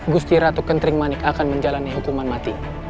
gusti ratu kentrimanik akan menjalani hukuman mati